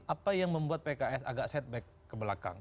apa yang membuat pks agak setback ke belakang